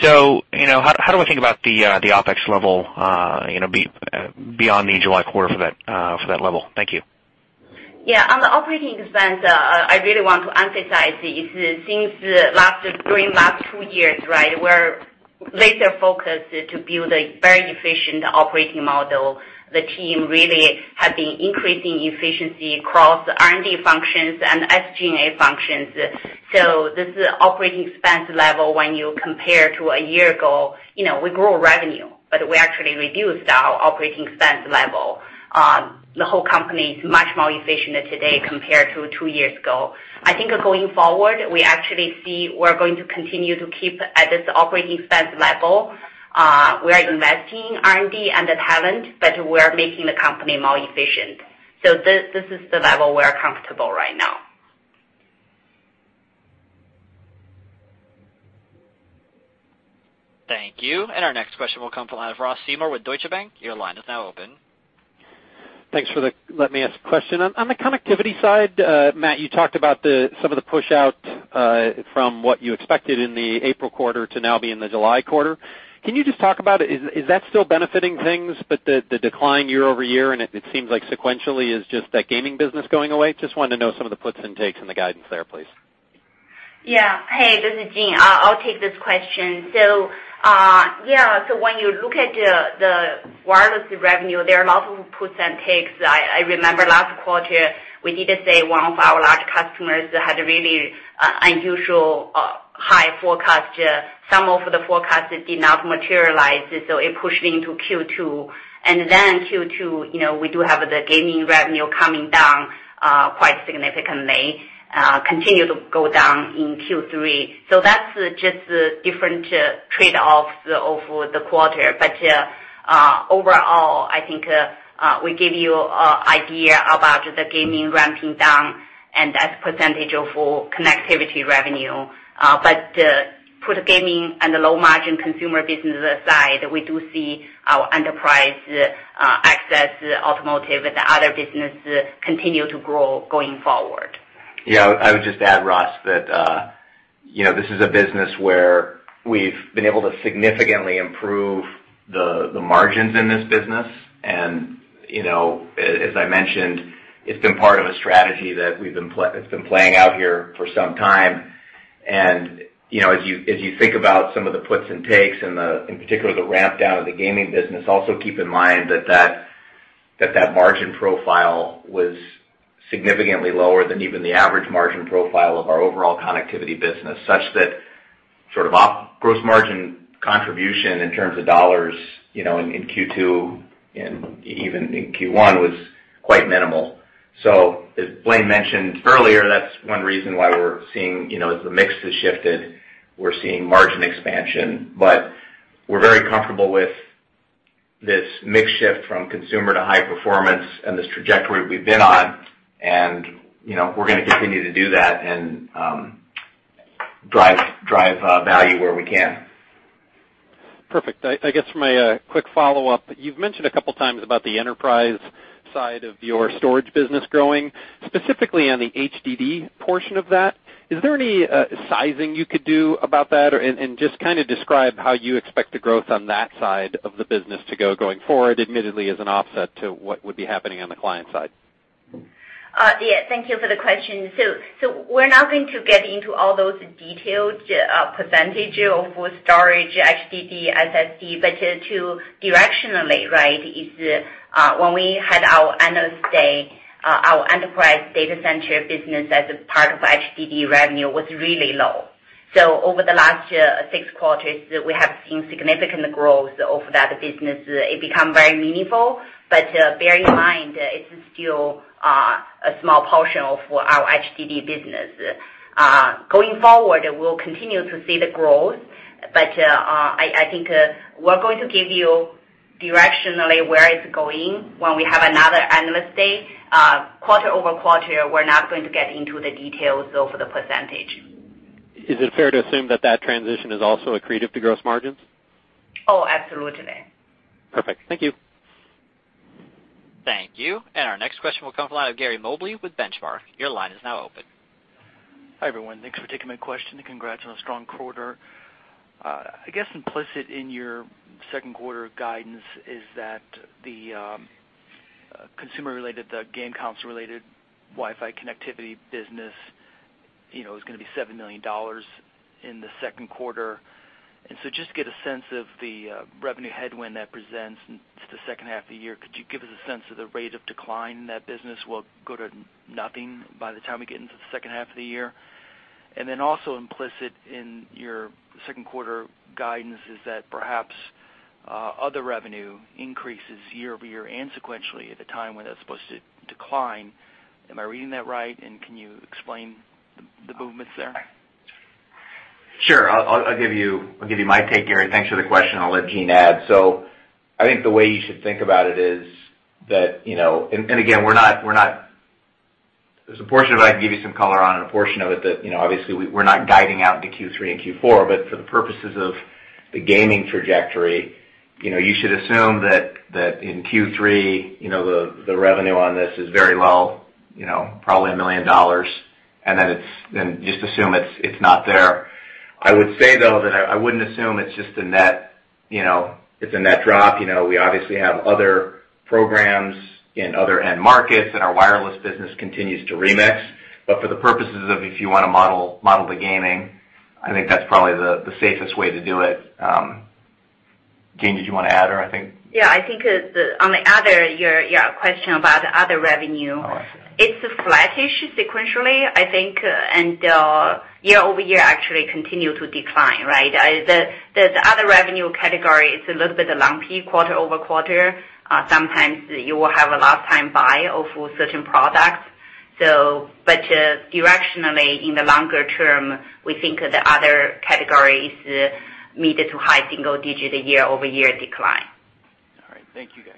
How do I think about the OpEx level beyond the July quarter for that level? Thank you. Yeah. On the operating expense, I really want to emphasize is since during last two years, right, we're laser-focused to build a very efficient operating model. The team really has been increasing efficiency across R&D functions and SG&A functions. This operating expense level, when you compare to a year ago, we grow revenue, we actually reduced our operating expense level. The whole company is much more efficient today compared to two years ago. I think going forward, we actually see we're going to continue to keep at this operating expense level. We are investing R&D and the talent, we're making the company more efficient. This is the level we're comfortable right now. Thank you. Our next question will come from the line of Ross Seymore with Deutsche Bank. Your line is now open. Thanks for letting me ask the question. On the connectivity side, Matt, you talked about some of the push out, from what you expected in the April quarter to now be in the July quarter. Can you just talk about it? Is that still benefiting things, the decline year-over-year, and it seems like sequentially is just that gaming business going away? Just wanted to know some of the puts and takes in the guidance there, please. Hey, this is Jean Hu. I'll take this question. When you look at the wireless revenue, there are lots of puts and takes. I remember last quarter, we did say one of our large customers had a really unusual high forecast. Some of the forecast did not materialize, so it pushed into Q2. Q2, we do have the gaming revenue coming down quite significantly, continue to go down in Q3. That's just different trade-offs over the quarter. Overall, I think we give you an idea about the gaming ramping down and as percentage of connectivity revenue. Put gaming and the low-margin consumer business aside, we do see our enterprise access, automotive, and the other businesses continue to grow going forward. I would just add, Ross Seymore, that this is a business where we've been able to significantly improve the margins in this business. As I mentioned, it's been part of a strategy that's been playing out here for some time, and as you think about some of the puts and takes and in particular the ramp down of the gaming business, also keep in mind that that margin profile was significantly lower than even the average margin profile of our overall connectivity business, such that sort of Op gross margin contribution in terms of $ in Q2 and even in Q1 was quite minimal. As Blayne Curtis mentioned earlier, that's one reason why we're seeing as the mix has shifted, we're seeing margin expansion. We're very comfortable with this mix shift from consumer to high performance and this trajectory we've been on, and we're going to continue to do that and drive value where we can. Perfect. I guess my quick follow-up, you've mentioned a couple of times about the enterprise side of your storage business growing, specifically on the HDD portion of that. Is there any sizing you could do about that? Just kind of describe how you expect the growth on that side of the business to go going forward, admittedly, as an offset to what would be happening on the client side. Thank you for the question. We're not going to get into all those detailed % of storage, HDD, SSD, but directionally, when we had our Analyst Day, our enterprise data center business as a part of HDD revenue was really low. Over the last six quarters, we have seen significant growth of that business. It become very meaningful, but bear in mind, it's still a small portion of our HDD business. Going forward, we'll continue to see the growth, but I think we're going to give you directionally where it's going when we have another Analyst Day. Quarter-over-quarter, we're not going to get into the details of the %. Is it fair to assume that that transition is also accretive to gross margins? Oh, absolutely. Perfect. Thank you. Thank you. Our next question will come from the line of Gary Mobley with Benchmark. Your line is now open. Hi, everyone. Thanks for taking my question. Congrats on a strong quarter. I guess implicit in your second quarter guidance is that the consumer-related, the game console-related Wi-Fi connectivity business is going to be $7 million in the second quarter. Just to get a sense of the revenue headwind that presents into the second half of the year, could you give us a sense of the rate of decline in that business? Will it go to nothing by the time we get into the second half of the year? Also implicit in your second quarter guidance is that perhaps other revenue increases year-over-year and sequentially at a time when that's supposed to decline. Am I reading that right, and can you explain the movements there? Sure. I'll give you my take, Gary. Thanks for the question. I'll let Jean add. I think the way you should think about it is that, and again, there's a portion of it I can give you some color on and a portion of it that obviously we're not guiding out into Q3 and Q4, but for the purposes of the gaming trajectory, you should assume that in Q3 the revenue on this is very low, probably $1 million, and just assume it's not there. I would say, though, that I wouldn't assume it's just a net drop. We obviously have other programs in other end markets, and our wireless business continues to remix. For the purposes of if you want to model the gaming, I think that's probably the safest way to do it. Jean, did you want to add? Yeah, I think on the other, your question about other revenue- Oh, I see It is flattish sequentially, I think, year-over-year actually continue to decline, right? The other revenue category is a little bit lumpy quarter-over-quarter. Sometimes you will have a last-time buy of certain products. Directionally, in the longer term, we think the other category is mid to high single-digit year-over-year decline. All right. Thank you, guys.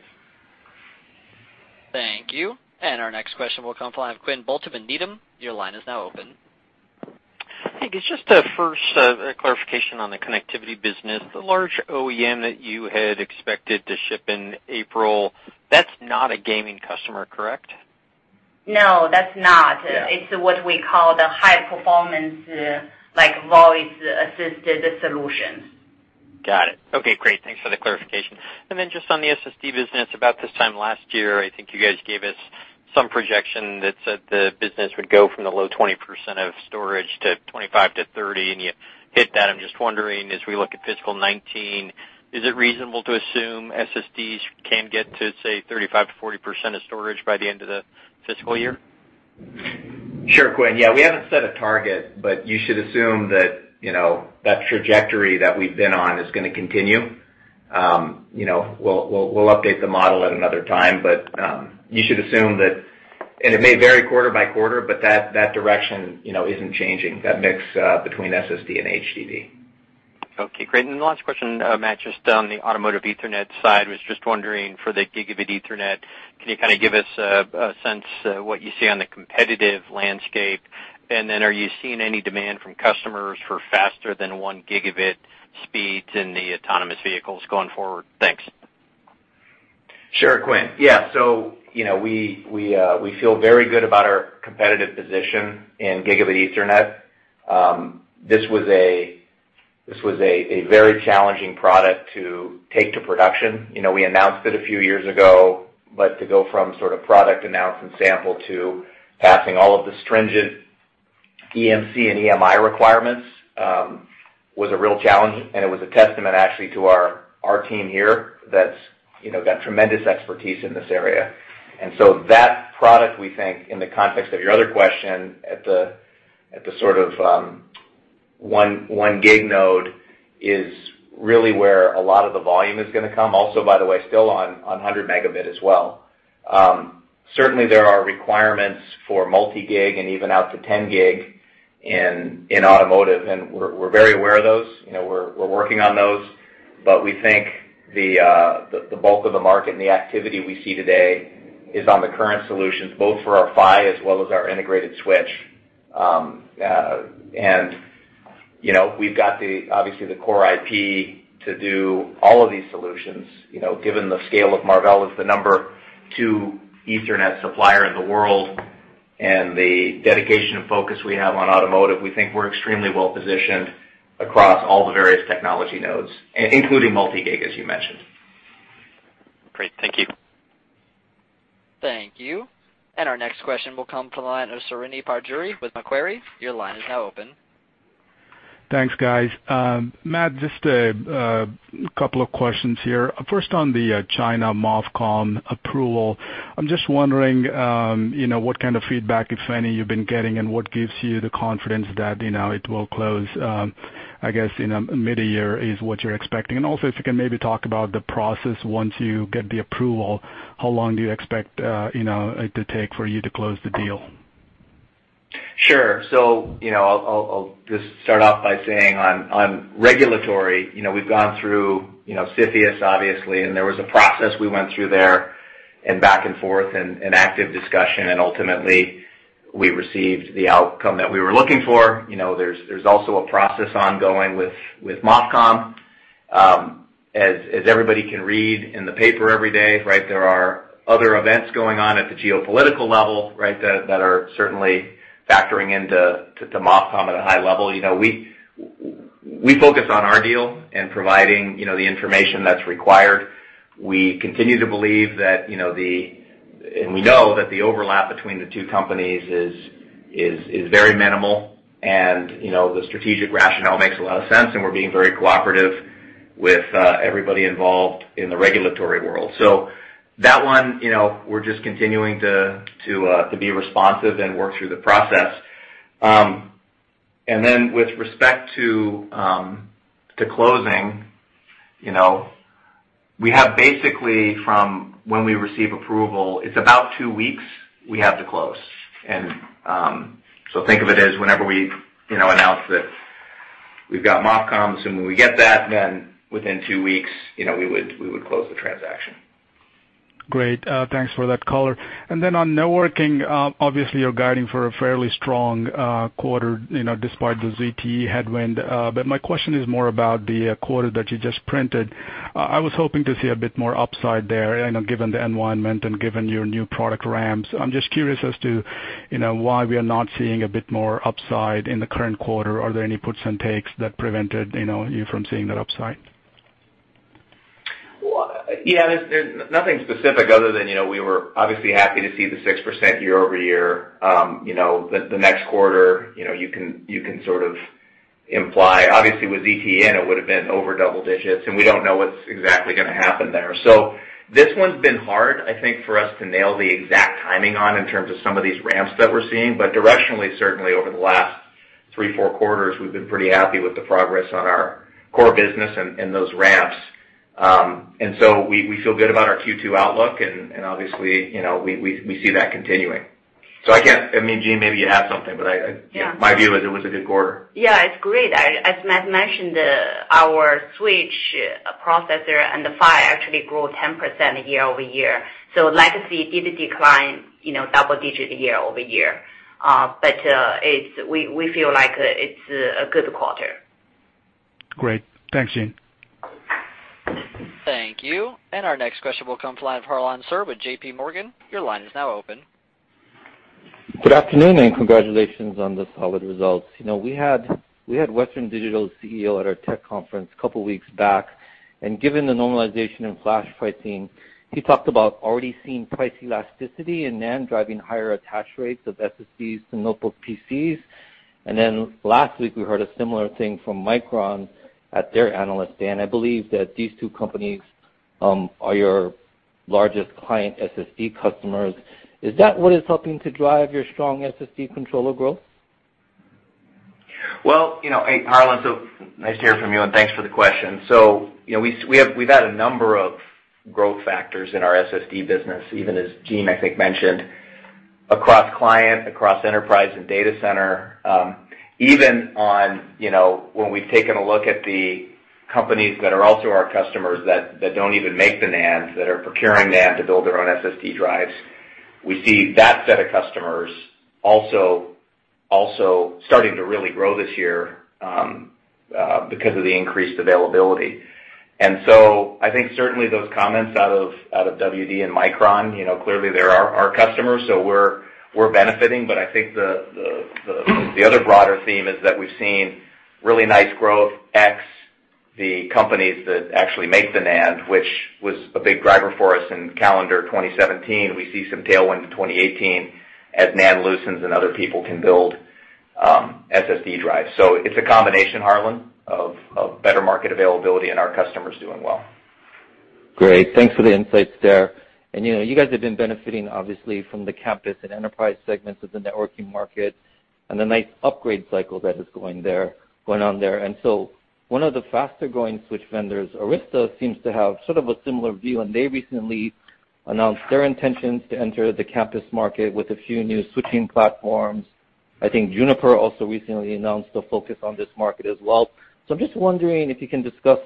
Thank you. Our next question will come from the line of Quinn Bolton in Needham. Your line is now open. Hey. Just first a clarification on the connectivity business. The large OEM that you had expected to ship in April, that's not a gaming customer, correct? No, that's not. Yeah. It's what we call the high performance, like voice-assisted solutions. Got it. Okay, great. Thanks for the clarification. Just on the SSD business, about this time last year, I think you guys gave us some projection that said the business would go from the low 20% of storage to 25%-30%, and you hit that. I'm just wondering, as we look at fiscal 2019, is it reasonable to assume SSDs can get to, say, 35%-40% of storage by the end of the fiscal year? Sure, Quinn. We haven't set a target, but you should assume that trajectory that we've been on is going to continue. We'll update the model at another time, but you should assume that, and it may vary quarter by quarter, but that direction isn't changing, that mix between SSD and HDD. Okay, great. The last question, Matt, just on the automotive Ethernet side, was just wondering for the gigabit Ethernet, can you kind of give us a sense what you see on the competitive landscape? Then are you seeing any demand from customers for faster than 1 gigabit speeds in the autonomous vehicles going forward? Thanks. Sure, Quinn. We feel very good about our competitive position in gigabit Ethernet. This was a very challenging product to take to production. We announced it a few years ago, but to go from sort of product announcement sample to passing all of the stringent EMC and EMI requirements, was a real challenge, and it was a testament actually to our team here that's got tremendous expertise in this area. So that product, we think, in the context of your other question at the sort of 1 gig node is really where a lot of the volume is going to come. Also, by the way, still on 100 megabit as well. Certainly, there are requirements for multi-gig and even out to 10 gig in automotive, and we're very aware of those. We're working on those, we think the bulk of the market and the activity we see today is on the current solutions, both for our PHY as well as our integrated switch. We've got obviously the core IP to do all of these solutions, given the scale of Marvell as the number 2 Ethernet supplier in the world and the dedication and focus we have on automotive. We think we're extremely well-positioned across all the various technology nodes, including multi-gig, as you mentioned. Great. Thank you. Thank you. Our next question will come from the line of Srini Pajjuri with Macquarie. Your line is now open. Thanks, guys. Matt, just a couple of questions here. First, on the MOFCOM approval. I'm just wondering, what kind of feedback, if any, you've been getting and what gives you the confidence that it will close, I guess, in mid-year is what you're expecting. Also, if you can maybe talk about the process once you get the approval, how long do you expect it to take for you to close the deal? Sure. I'll just start off by saying on regulatory, we've gone through CFIUS, obviously. There was a process we went through there and back and forth and active discussion. Ultimately, we received the outcome that we were looking for. There's also a process ongoing with MOFCOM. Everybody can read in the paper every day, there are other events going on at the geopolitical level that are certainly factoring into MOFCOM at a high level. We focus on our deal and providing the information that's required. We continue to believe that the, we know that the overlap between the two companies is very minimal. The strategic rationale makes a lot of sense. We're being very cooperative with everybody involved in the regulatory world. That one, we're just continuing to be responsive and work through the process. With respect to closing, we have basically from when we receive approval, it's about 2 weeks we have to close. Think of it as whenever we announce that we've got MOFCOM, assuming we get that, then within 2 weeks, we would close the transaction. Great. Thanks for that color. On networking, obviously you're guiding for a fairly strong quarter despite the ZTE headwind. My question is more about the quarter that you just printed. I was hoping to see a bit more upside there, given the environment and given your new product ramps. I'm just curious as to why we are not seeing a bit more upside in the current quarter. Are there any puts and takes that prevented you from seeing that upside? Yeah, there's nothing specific other than we were obviously happy to see the 6% year-over-year. The next quarter, you can sort of imply. Obviously with ZTE, it would've been over double digits, and we don't know what's exactly going to happen there. This one's been hard, I think, for us to nail the exact timing on in terms of some of these ramps that we're seeing. But directionally, certainly over the last three, four quarters, we've been pretty happy with the progress on our core business and those ramps. We feel good about our Q2 outlook and obviously, we see that continuing. I can't. Jean, maybe you have something, but. Yeah. My view is it was a good quarter. Yeah, it's great. As Matt mentioned, our switch processor and the PHY actually grew 10% year-over-year. Legacy did decline double-digit year-over-year. We feel like it's a good quarter. Great. Thanks, Jean. Thank you. Our next question will come from the line of Harlan Sur with J.P. Morgan. Your line is now open. Good afternoon. Congratulations on the solid results. We had Western Digital's CEO at our tech conference a couple of weeks back, and given the normalization in flash pricing, he talked about already seeing price elasticity and NAND driving higher attach rates of SSDs to notebook PCs. Last week, we heard a similar thing from Micron at their analyst day. I believe that these two companies are your largest client SSD customers. Is that what is helping to drive your strong SSD controller growth? Well, hey, Harlan. Nice to hear from you, and thanks for the question. We've had a number of growth factors in our SSD business, even as Jean, I think, mentioned. Across client, across enterprise and data center, even on when we've taken a look at the companies that are also our customers that don't even make the NAND, that are procuring NAND to build their own SSD drives. We see that set of customers also starting to really grow this year because of the increased availability. I think certainly those comments out of WD and Micron, clearly they're our customers, so we're benefiting. I think the other broader theme is that we've seen really nice growth ex the companies that actually make the NAND, which was a big driver for us in calendar 2017. We see some tailwind in 2018 as NAND loosens and other people can build SSD drives. It's a combination, Harlan, of better market availability and our customers doing well. Great. Thanks for the insights there. You guys have been benefiting, obviously, from the campus and enterprise segments of the networking market and the nice upgrade cycle that is going on there. One of the faster-growing switch vendors, Arista, seems to have sort of a similar view, and they recently announced their intentions to enter the campus market with a few new switching platforms. I think Juniper also recently announced a focus on this market as well. I'm just wondering if you can discuss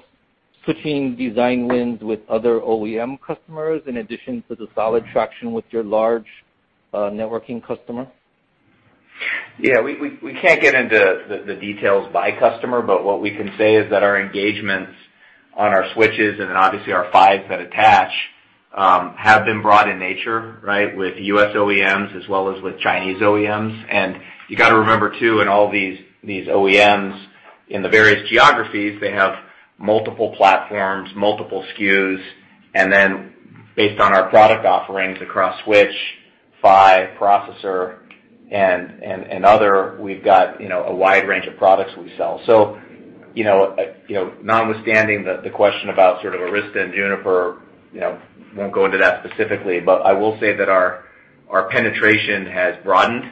switching design wins with other OEM customers in addition to the solid traction with your large networking customer. Yeah, we can't get into the details by customer, but what we can say is that our engagements on our switches and then obviously our PHYs that attach, have been broad in nature, with U.S. OEMs as well as with Chinese OEMs. You got to remember, too, in all these OEMs in the various geographies, they have multiple platforms, multiple SKUs, and then based on our product offerings across switch, PHY, processor, and other, we've got a wide range of products we sell. Notwithstanding the question about sort of Arista and Juniper, won't go into that specifically, but I will say that our penetration has broadened,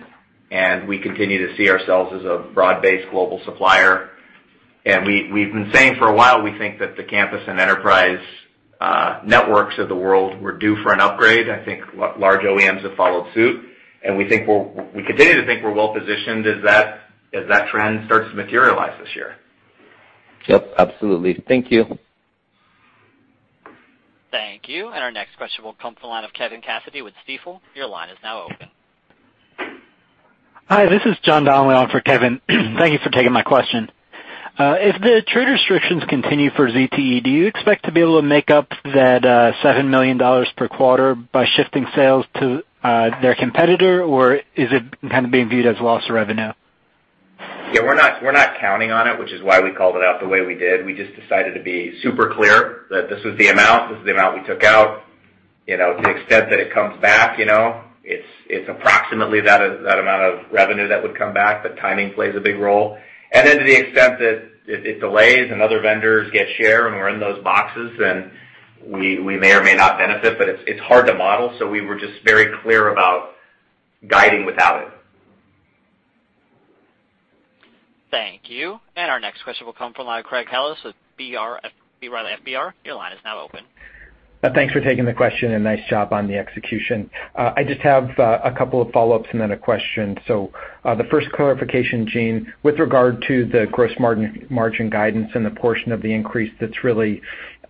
and we continue to see ourselves as a broad-based global supplier. We've been saying for a while, we think that the campus and enterprise networks of the world were due for an upgrade. I think large OEMs have followed suit, and we continue to think we're well-positioned as that trend starts to materialize this year. Yep, absolutely. Thank you. Thank you. Our next question will come from the line of Kevin Cassidy with Stifel. Your line is now open. Hi, this is John Donnelly on for Kevin. Thank you for taking my question. If the trade restrictions continue for ZTE, do you expect to be able to make up that $7 million per quarter by shifting sales to their competitor, or is it kind of being viewed as lost revenue? Yeah, we're not counting on it, which is why we called it out the way we did. We just decided to be super clear that this was the amount, this is the amount we took out. To the extent that it comes back, it's approximately that amount of revenue that would come back, but timing plays a big role. Then to the extent that it delays and other vendors get share and we're in those boxes, then we may or may not benefit, but it's hard to model. We were just very clear about guiding without it. Thank you. Our next question will come from the line of Craig Ellis with B. Riley FBR. Your line is now open. Thanks for taking the question and nice job on the execution. I just have a couple of follow-ups and then a question. The first clarification, Jean, with regard to the gross margin guidance and the portion of the increase that's really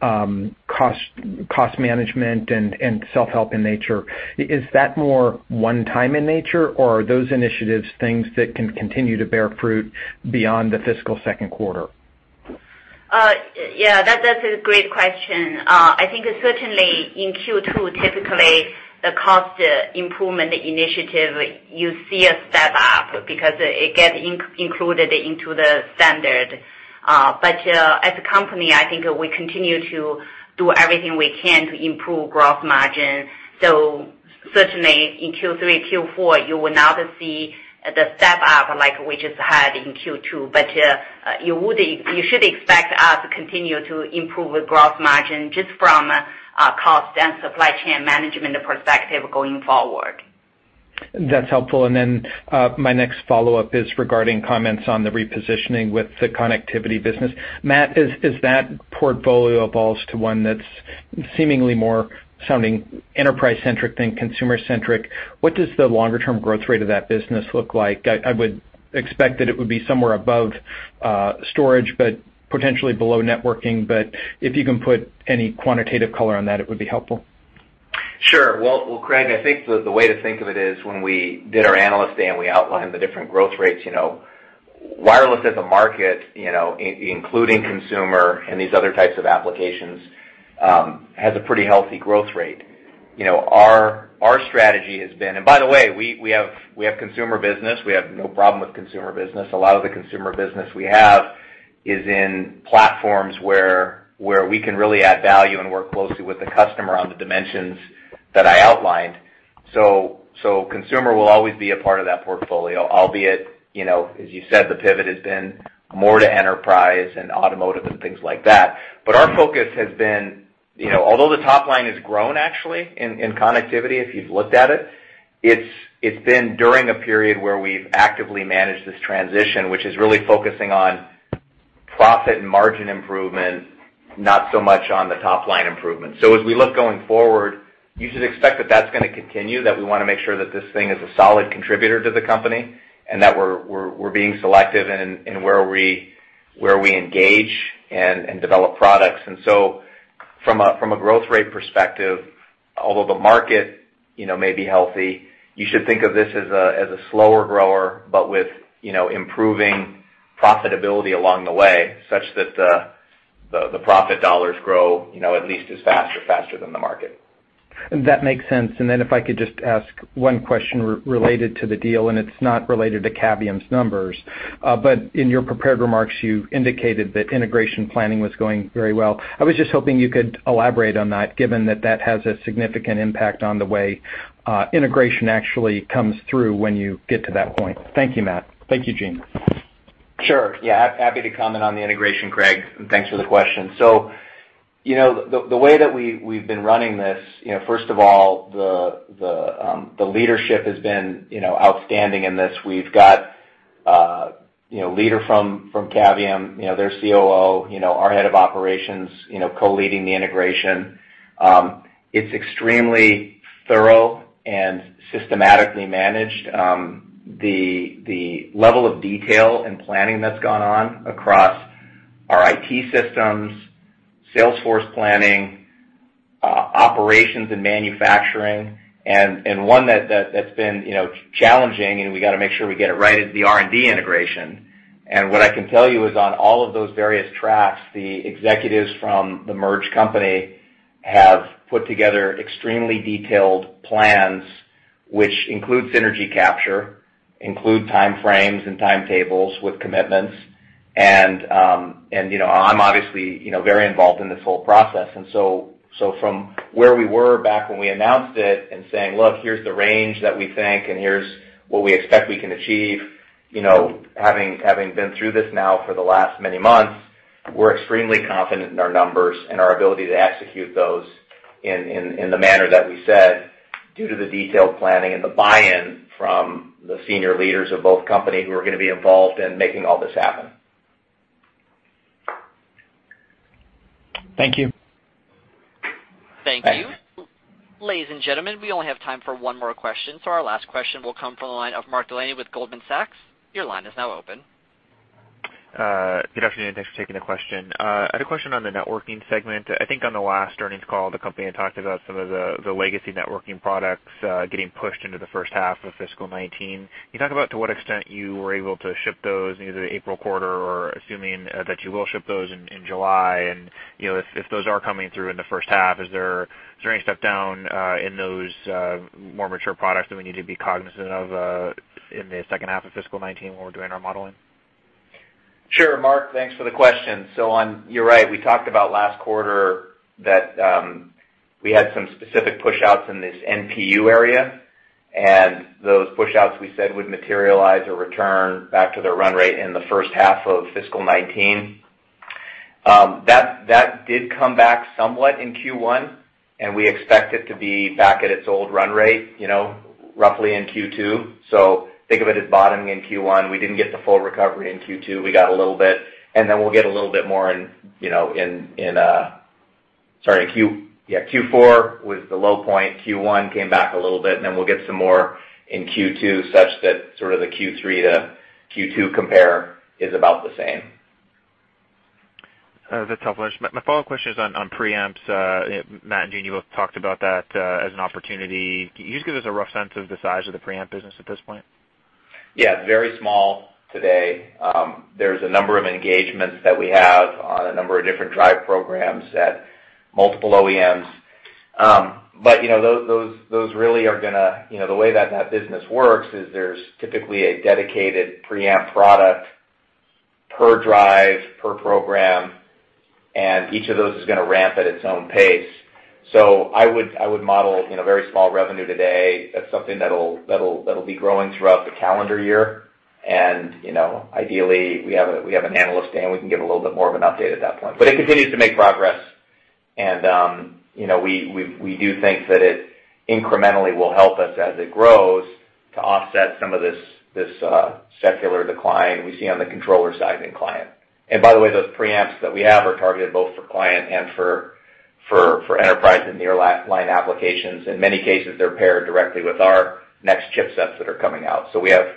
cost management and self-help in nature, is that more one-time in nature or are those initiatives things that can continue to bear fruit beyond the fiscal second quarter? Yeah, that's a great question. I think certainly in Q2, typically, the cost improvement initiative, you see a step-up because it gets included into the standard. As a company, I think we continue to do everything we can to improve gross margin. Certainly in Q3, Q4, you will not see the step-up like we just had in Q2. You should expect us to continue to improve the gross margin just from a cost and supply chain management perspective going forward. That's helpful. My next follow-up is regarding comments on the repositioning with the connectivity business. Matt, as that portfolio evolves to one that's seemingly more enterprise-centric than consumer-centric, what does the longer-term growth rate of that business look like? I would expect that it would be somewhere above storage, potentially below networking. If you can put any quantitative color on that, it would be helpful. Sure. Well, Craig, I think the way to think of it is when we did our analyst day, we outlined the different growth rates. Wireless as a market, including consumer and these other types of applications, has a pretty healthy growth rate. Our strategy has been. By the way, we have consumer business. We have no problem with consumer business. A lot of the consumer business we have is in platforms where we can really add value and work closely with the customer on the dimensions that I outlined. Consumer will always be a part of that portfolio, albeit, as you said, the pivot has been more to enterprise and automotive and things like that. Our focus has been, although the top line has grown actually in connectivity, if you've looked at it's been during a period where we've actively managed this transition, which is really focusing on profit and margin improvement, not so much on the top-line improvement. As we look going forward, you should expect that that's going to continue, that we want to make sure that this thing is a solid contributor to the company, we're being selective in where we engage and develop products. From a growth rate perspective, although the market may be healthy, you should think of this as a slower grower, with improving profitability along the way, such that the profit dollars grow at least as fast or faster than the market. That makes sense. If I could just ask one question related to the deal, it's not related to Cavium's numbers, in your prepared remarks, you indicated that integration planning was going very well. I was just hoping you could elaborate on that, given that that has a significant impact on the way integration actually comes through when you get to that point. Thank you, Matt. Thank you, Jean. Sure. Happy to comment on the integration, Craig, and thanks for the question. The way that we've been running this, first of all, the leadership has been outstanding in this. We've got a leader from Cavium, their COO, our head of operations co-leading the integration. It's extremely thorough and systematically managed. The level of detail and planning that's gone on across our IT systems, sales force planning, operations and manufacturing, and one that's been challenging, and we got to make sure we get it right, is the R&D integration. What I can tell you is on all of those various tracks, the executives from the merged company have put together extremely detailed plans, which include synergy capture, include time frames and timetables with commitments. I'm obviously very involved in this whole process. From where we were back when we announced it and saying, "Look, here's the range that we think, and here's what we expect we can achieve," having been through this now for the last many months, we're extremely confident in our numbers and our ability to execute those in the manner that we said due to the detailed planning and the buy-in from the senior leaders of both companies who are going to be involved in making all this happen. Thank you. Thank you. Thanks. Ladies and gentlemen, we only have time for one more question, so our last question will come from the line of Mark Delaney with Goldman Sachs. Your line is now open. Good afternoon. Thanks for taking the question. I had a question on the networking segment. I think on the last earnings call, the company had talked about some of the legacy networking products getting pushed into the first half of fiscal 2019. Can you talk about to what extent you were able to ship those in either the April quarter, or assuming that you will ship those in July, and if those are coming through in the first half, is there any step down in those more mature products that we need to be cognizant of in the second half of fiscal 2019 when we're doing our modeling? Sure, Mark, thanks for the question. You're right. We talked about last quarter that we had some specific pushouts in this NPU area, and those pushouts we said would materialize or return back to their run rate in the first half of fiscal 2019. That did come back somewhat in Q1, and we expect it to be back at its old run rate roughly in Q2. Think of it as bottoming in Q1. We didn't get the full recovery in Q2. We got a little bit, and then we'll get a little bit more in Sorry. Yeah, Q4 was the low point. Q1 came back a little bit, and then we'll get some more in Q2 such that sort of the Q3 to Q2 compare is about the same. That's helpful. My follow-up question is on preamps. Matt and Jean, you both talked about that as an opportunity. Can you just give us a rough sense of the size of the preamp business at this point? Yeah, very small today. There's a number of engagements that we have on a number of different drive programs at multiple OEMs. Those really are going to the way that that business works is there's typically a dedicated preamp product per drive, per program, and each of those is going to ramp at its own pace. I would model very small revenue today. That's something that'll be growing throughout the calendar year, and ideally, we have an analyst day, and we can give a little bit more of an update at that point. But it continues to make progress, and we do think that it incrementally will help us as it grows to offset some of this secular decline we see on the controller side in client. By the way, those preamps that we have are targeted both for client and for enterprise and nearline applications. In many cases, they're paired directly with our next chipsets that are coming out. We have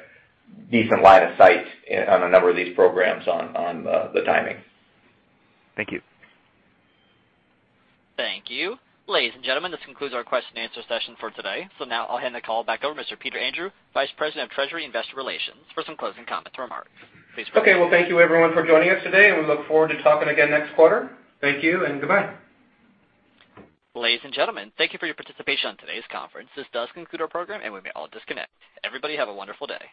decent line of sight on a number of these programs on the timing. Thank you. Thank you. Ladies and gentlemen, this concludes our question and answer session for today. Now I'll hand the call back over to Mr. Peter Andrew, Vice President of Treasury Investor Relations, for some closing comments and remarks. Please proceed. Okay. Well, thank you everyone for joining us today, and we look forward to talking again next quarter. Thank you and goodbye. Ladies and gentlemen, thank you for your participation on today's conference. This does conclude our program, and we may all disconnect. Everybody have a wonderful day.